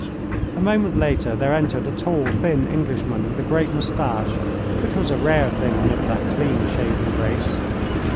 A moment later there entered a tall thin Englishman with a great moustache, which was a rare thing amid that clean shaven race.